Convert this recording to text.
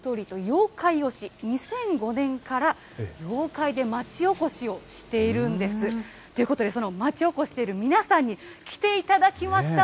妖怪推し、２００５年から妖怪で町おこしをしているんです。ということで、その町おこししている皆さんに来ていただきました。